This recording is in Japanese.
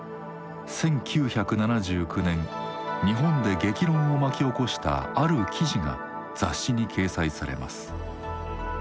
１９７９年日本で激論を巻き起こしたある記事が雑誌に掲載されます。